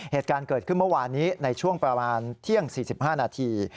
เหตุการณ์เกิดขึ้นเมื่อวานนี้ในช่วงประมาณเที่ยง๔๕นาที